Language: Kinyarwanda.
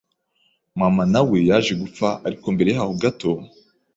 mama na we yaje gupfa ariko mbere yaho gato